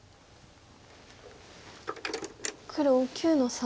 黒９の三。